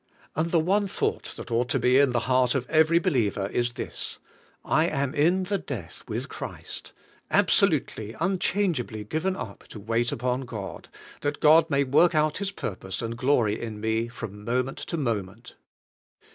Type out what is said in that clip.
And the one thought that ought to be in the heart of every believer is this: "I am in the death with Christ; absolute!}^, unchangeabl}' given up to wait upon God, that God may work out Plis purpose and glory in me from moment to moment.''